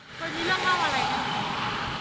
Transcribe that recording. ตัวที่เลือกว่าอะไรครับ